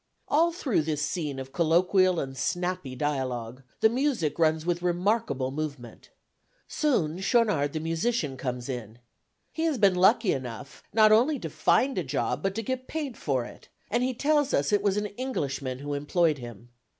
All through this scene of colloquial and snappy dialogue, the music runs with remarkable movement. Soon Schaunard the musician comes in. He has been lucky enough not only to find a job but to get paid for it; and he tells us it was an Englishman who employed him.